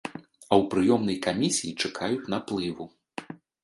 А ў прыёмнай камісіі чакаюць наплыву.